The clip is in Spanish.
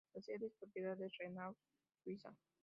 La serie es propiedad de Renault Suiza.